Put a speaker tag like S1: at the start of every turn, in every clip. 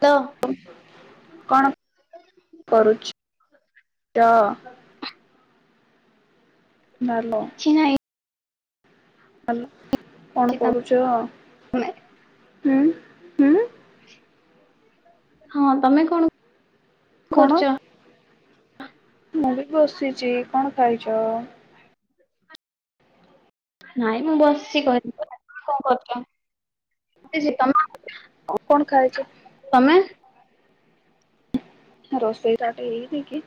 S1: ତ
S2: କଣ କରୁଛି? [unintelligible] ହାଲୋ
S1: କିଛି ନାହିଁ
S2: ହାଲୋ, କଣ କରୁଚ?
S1: ତମେ
S2: ହୁଁ ହୁଁ
S1: ହଁ, ତମେ କଣ
S2: କଣ?
S1: କରୁଚ?
S2: ମୁଁ ବି ବସିଛି, କଣ ଖାଇଛ?
S1: ନାଇଁ ମୁଁ ବସିଛି କହିଲି ପା, ତମେ କଣ କରୁଛ? [unintelligible]
S2: କଣ ଖାଇଛ?
S1: ତମେ?
S2: ରୋଷେଇ ଷ୍ଟାଟ୍ ହେଇନି କି?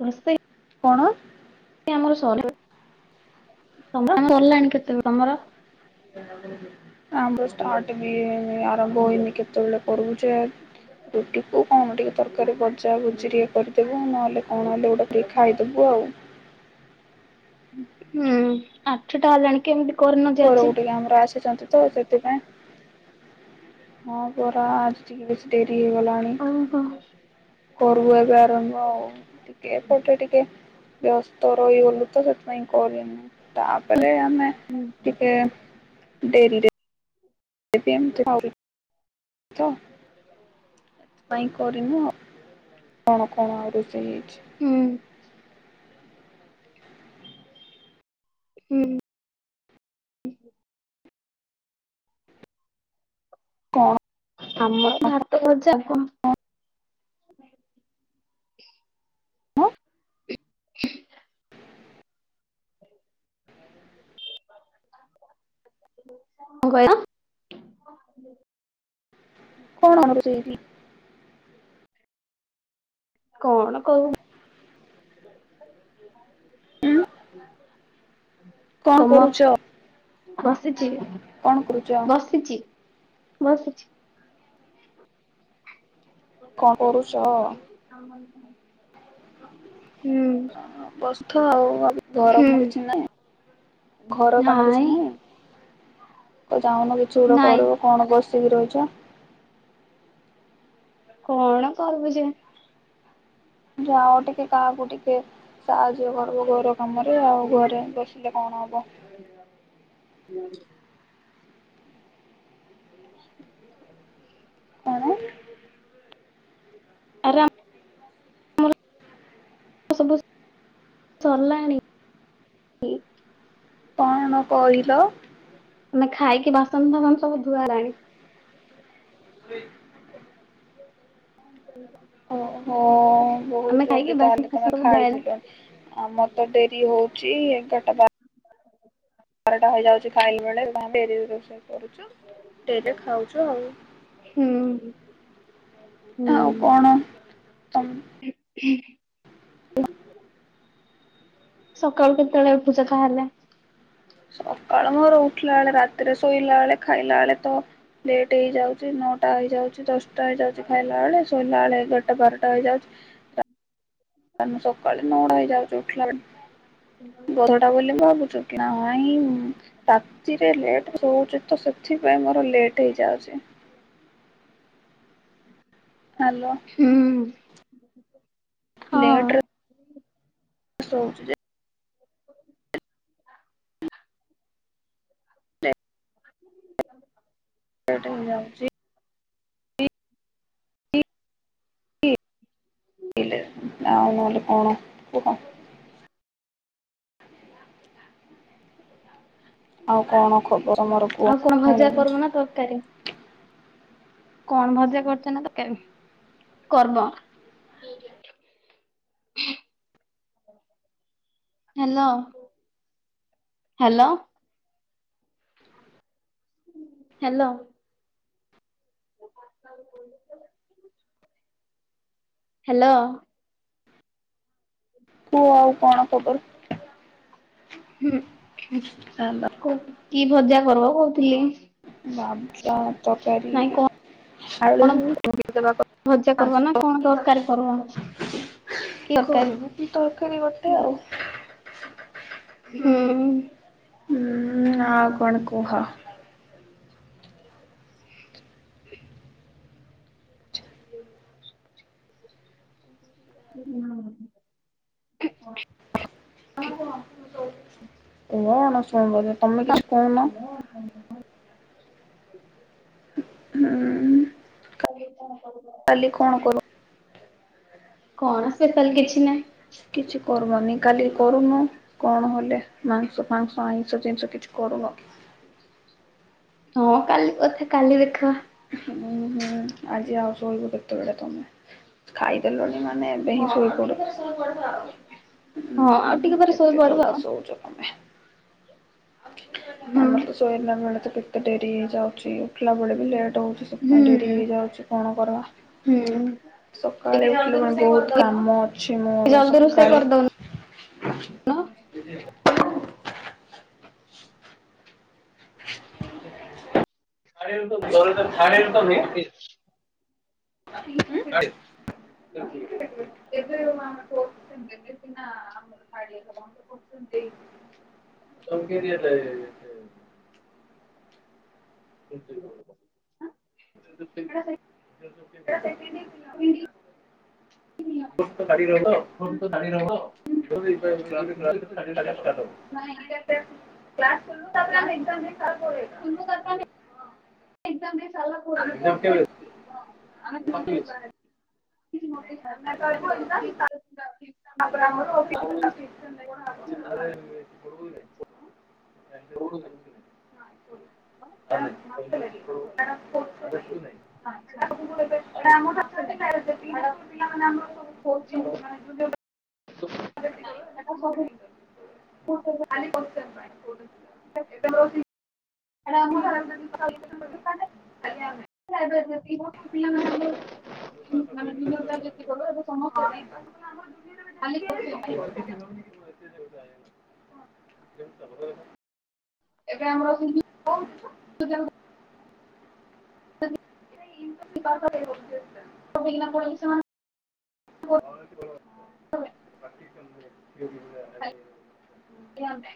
S1: ରୋଷେଇ।
S2: କଣ?
S1: ଆମର ସରିଲାଣି କେତେବେଳେ ତମର?
S2: ଆମର ଷ୍ଟାର୍ଟ ବି ହେଇନି, ଆରମ୍ଭ ହୋଇନି କେତେବେଳେ କରିବୁ ଯେ। ରୁଟିକୁ କଣ ଟିକେ ତରକାରୀ ବଜା ଭୁଜି କରିଦେବୁ, ନହେଲେ କଣ ହେଲେ ଗୋଟେ ଟିକେ ଖାଇଦେବୁ ଆଉ।
S1: ହୁଁ ଆଠଟା ହେଲାଣି କେମିତି କରିନ ଯେ ଆଜି?
S2: ଘରକୁ ଟିକେ ଆମର ଆସିଛନ୍ତି ତ ସେଥିପାଇଁ ହଁ ପରା ଆଜି ଟିକେ ବେଶି ଡେରି ହେଇଗଲାଣି।
S1: ଓହୋ
S2: କରୁ ଏବେ ଆରମ୍ଭ ଆଉ। ଟିକେ ଏପଟେ ଟିକେ ବ୍ୟସ୍ତ ରହିଗଲୁ ତ ସେଥିପାଇଁ କରିନୁ। ତାପରେ ଆମେ
S1: ହୁଁ
S2: ଟିକେ ଡେରିରେ ସେ ପିମ [unintelligible] ତ ପାଇଁ କରିିନୁ କଣ କଣ ଆହୁରି [unintelligible]
S1: ହୁଁ।
S2: କଣ?
S1: ଆମର ଭାତ ବଜା କଣ?
S2: କଣ
S1: କଣ କହିଲ?
S2: କଣ ହେଉଛି ଏଠି?
S1: କଣ କହୁ
S2: କଣ କରୁଛ
S1: ତମର ବସିଛି
S2: କଣ କରୁଛ
S1: ବସିଛି। ବସିଛି।
S2: କଣ କରୁଚ?
S1: ଆମ
S2: ବସ୍ଥ ଆଉ ଘର
S1: ହୁଁ
S2: କାମ କିଛି ନାହିଁ? ଘର କାମ କିଛି
S1: ନାଇଁ
S2: ନାହିଁ? ତ ଯାଉନ କିଛି ଗୋଟେ
S1: ନାଇଁ
S2: କରିବ, କଣ ବସିକି ରହିଛ।
S1: କଣ କରିବୁ ଯେ
S2: ଯାଅ ଟିକେ କାହାକୁ ଟିକେ ସାହାଯ୍ୟ କରିବୁ ଘର କାମରେ, ଆଉ ଘରେ ବସିଲେ କଣ ହବ।
S1: ହୁଁ।
S2: କଣ?
S1: [unintelligible] ସରିଲାଣି।
S2: କଣ କହିଲ?
S1: ଆମେ ଖାଇକି ବାସନ ଫାସନ ସବୁ ଧୁଆ ହେଲାଣି। [inaudible]
S2: ହ ବୋହୁତ୍
S1: ଆମେ ଖାଇକି
S2: ଜଲ୍ଦି
S1: ବାସନ
S2: ତାହେଲେ
S1: ଫାସନ
S2: ତମେ
S1: ସବୁ ଧୁଆ ହେଲାଣି।
S2: ଖାଇଥିଲ। ଆମର ତ ଡେରି ହୋଉଛି ଏଗାରଟା ବାର ବାରଟା ହେଇଯାଉଛି ଖାଇଲା ବେଳେ, ଡେରିରେ ରୋଷେଇ କରୁଛୁ ଡେରିରେ ଖାଉଛୁ ଆଉ।
S1: ହୁଁ ହୁଁ।
S2: ଆଉ କଣ ତମ [inaudible]
S1: ସକାଳୁ କେତେବେଳେ ଉଠୁଛ ତାହେଲେ?
S2: ସକାଳ ମୋର ଉଠିଲାବେଳେ ରାତିରେ ଶୋଇଲା ବେଳେ ଖାଇଲା ବେଳେ ତ ଲେଟ୍ ହେଇଯାଉଛି ନଅଟା ହେଇଯାଉଛି ଦଶଟା ହେଇଯାଉଛି ଖାଇଲା ବେଳେ ଶୋଇଲା ବେଳେ ଏଗାରଟା ବାରଟା ହେଇଯାଉଛି। ସକାଳେ ନଅଟା ହେଇଯାଉଛି ଉଠିଲା ବେଳକୁ। ଗହଳି ବୋଲି ଭାବୁଛ କି? ନାଇଁ। ରାତିରେ ଲେଟ୍ ରେ ଶୋଉଛି ତ ସେଥିପାଇଁ ମୋର ଲେଟ୍ ହେଇଯାଉଛି। ହାଲୋ
S1: ହୁଁ। ହଁ
S2: ଲେଟ୍ ରେ ଶୋଉଛି ଯେ
S1: [unintelligible]
S2: ଲେଟ୍ ହେଇଯାଉଛି। [unintelligible] ଆଉ ନହେଲେ କଣ କୁହ? ଆଉ କଣ ଖବର ମୋର
S1: ଆଉ କଣ ଭଜା କରିବ ନା ତରକାରୀ? କଣ ଭଜା କରୁଛ ନା ତରକାରୀ? Hello hello. ହ୍ୟାଲୋ। [unintelligible] ହ୍ୟାଲୋ।
S2: ତୁ ଆଉ କଣ ଖବର?
S1: ହୁଁ ହୁଁ
S2: ହାଲୋ
S1: କୋ କି ଭଜା କରବ କହୁଥିଲି?
S2: [unintelligible]
S1: ନାଇଁ
S2: ତରକାରୀ-ଇ-ଇ-ଇ। ଆଳୁ
S1: କଣ ଭଜା କରବା ନା କଣ ତରକାରୀ କରବା କି
S2: [unintelligible]
S1: ତରକାରୀ
S2: କରିବୁ କି ତରକାରୀ ଗୋଟେ ଆଉ। ହୁଁ ହୁଁ ଆଉ କଣ କୁହ?
S1: [unintelligible]
S2: [unintelligible] ତମେ କିଛି କହୁନ?
S1: [unintelligible] [unintelligible] କାଲି କଣ?
S2: କାଲି କଣ କର
S1: କଣ ସ୍ପେଶାଲ କିଛି ନାହିଁ
S2: କିଛି କରମନି କାଲି କରୁନୁ କଣ ହେଲେ। ମାଂସ ଫାଂସ ଆଇଁଷ ଜିନିଷ କିଛି କରୁନ କି?
S1: ହଁ କାଲି କଥା କାଲି ଦେଖବା।
S2: ଉଁ ହୁଁ ଆଜି ଆଉ ଶୋଇବୁ କେତେବେଳେ ତମେ? ଖାଇଦେଲଣି ମାନେ ଏବେ ହିଁ ଶୋଇପଡ।
S1: ହଁ ଆଉ ଟିକେ ପରେ
S2: ଜଲ୍ଦି
S1: ଶୋଇପଡବ। ହୁଁ।
S2: ଆମର ତ ଶୋଇଲା ବେଳେ କେ ତେ ଡେରି ହେଇଯାଉଛି ଉଠିଲା ବେଳକୁ ଲେଟ୍ ହଉଛି
S1: ହୁଁ
S2: ସେଥିପାଇଁ ଡେରି ହେଇଯାଉଛି କଣ କରବା।
S1: ହୁଁ
S2: ସକାଳେ ଉଠିଲେ ବହୁତ କାମ ଅଛି ମୋର
S1: ଜଲଦି ରୋଷେଇ
S2: ସକାଳେ।
S1: କରିଦଉନୁ
S2: [unintelligible] [unintelligible]
S1: [unintelligible] ଆଇ ଏବେ [unintelligible]
S2: ଏଇଟା
S1: [unintelligible] [unintelligible]
S2: [unintelligible] [unintelligible] [unintelligible] କ୍ଲାସ କଲୁ ତାପରେ ଆମ ଏଣ୍ଟରନେଟ [unintelligible]
S1: ଏକ୍ଜମ ଦେଇ ସରିଲା
S2: [unintelligible] ଆମେ
S1: ହଁ
S2: ବାହାରେ।
S1: [unintelligible]
S2: ଆମେ ଏତେବେଳକୁ ଏକ୍ଜମ୍ ତା
S1: [unintelligible]
S2: ତାପରେ ଆମର [unintelligible] [inaudible] [unintelligible] [unintelligible]
S1: [inaudible]
S2: [inaudible] ଖାଲି [inaudible] ଏବେ ମୁଁ ରହୁଛି [inaudible] ଖାଲି ଆମେ
S1: [inaudible] ପିଲାମାନେ ବି
S2: [unintelligible] [inaudible]
S1: ଏବେ ଆମର ସିଭି
S2: [inaudible]
S1: ପାଠ [inaudible] ସେମାନ
S2: ହଁ [inaudible]
S1: [inaudible] ଆମେ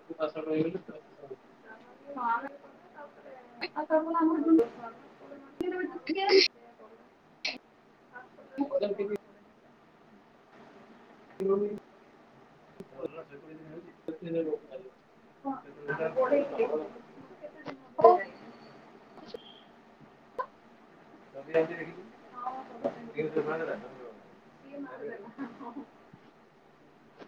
S1: ହଁ ଆମେ [inaudible] [unintelligible] ମୁଁ [unintelligible] ପିନ୍ଧନି।
S2: [inaudible] ହେଉଚି [unintelligible] କି ଦେଖିବେ [unintelligible] ସିଏ ମାରିଦେବ ହଁ, ହଁ, ହଁ।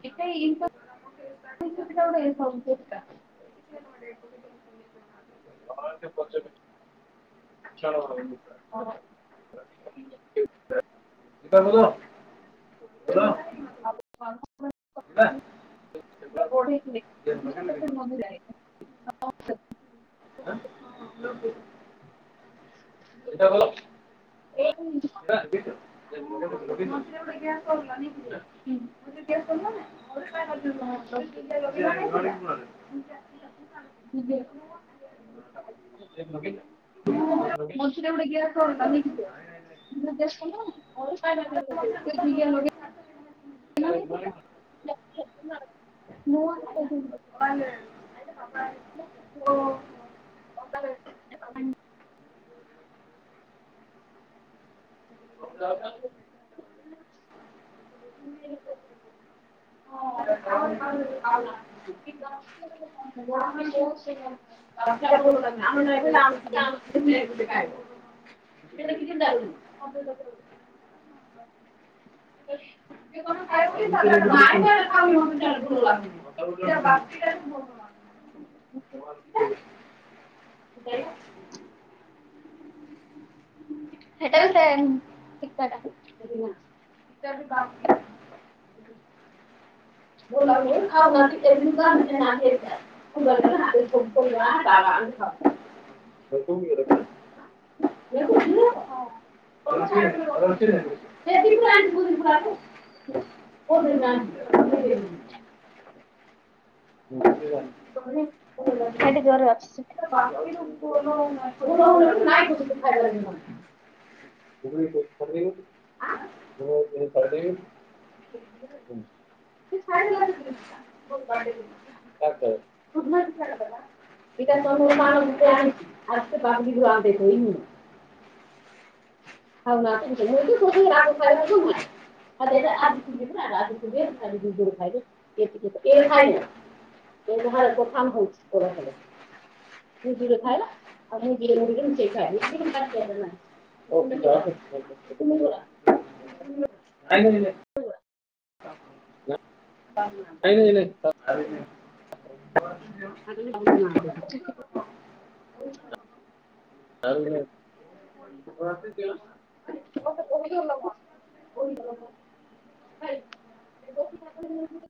S1: ଏଟାରେ ଇନଫର୍ମ [inaudible]
S2: [inaudible]
S1: ହଁ ସିଏ ପଚାରେ [inaudible]
S2: [unintelligible]
S1: [inaudible] ବଢେଇଥିଲେ [inaudible]
S2: ଆଁ,
S1: ସେଇଟା କଲ।
S2: [unintelligible] [unintelligible]
S1: [unintelligible] [unintelligible] [inaudible]
S2: [unintelligible] [inaudible]
S1: ହଁ। [inaudible]
S2: [unintelligible]
S1: [unintelligible] [unintelligible] [unintelligible] [unintelligible] ହେଟା ବି ସେମ୍ ସେକାଟା। [inaudible]
S2: [unintelligible] ହଁ [inaudible]
S1: [unintelligible]
S2: [unintelligible] [unintelligible]
S1: ରୋଷଇ କଣ? ସକାଳେ ଜର ଅଛି, ସେଥିପାଇ [unintelligible]
S2: ହୁଁ [inaudible]
S1: ଭ ଖଣ୍ଡ ର ଚ ର [unintelligible] ସେ ଛାଡିଦେଲା ସେଥିରୁଡ [unintelligible]
S2: ଟ ମା ଆଣି [unintelligible] [unintelligible] ଆମେ ଦେଇନୁ
S1: ଆଉ ନା ତଇ ତୋ ରାଗ ଖାଇବା ଲଖ [unintelligible] ଖ ଆଜି ଖିବ ପୁର ଆ ଆଜି ଖ ଖଲିରୁୁ ଖାଇ ଏତିକି ତ ଏ ଖାଇନ [unintelligible] ଏରେ ତୋଫାନ ହଉଛି କୋରେ [unintelligible] ଭୁଜିିରେ ଖାଇଲା ଆଉ ଭୁଜିରେ ମୁଁ ଟିକେ ଲୁଚେଇ ଖାଇବି [inaudible] ହଉ ତ ଯାଆନ୍ତୁ [unintelligible]
S2: [inaudible] ଓ ହୋ ଖାଇ ନାହାନ୍ତି, ଖାଇ ନିଅ
S1: ହଉ [unintelligible]
S2: ହ [inaudible]
S1: ଆଉ। What is yours? ତୁମକୁ କଉ ଭଳି [unintelligible] [unintelligible]